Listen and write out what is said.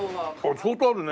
相当あるね。